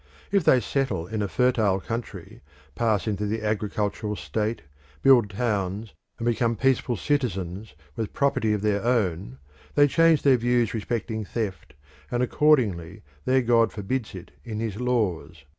If they settle in a fertile country, pass into the agricultural state, build towns, and become peaceful citizens with property of their own they change their views respecting theft, and accordingly their god forbids it in his laws.